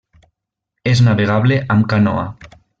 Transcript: És navegable amb canoa.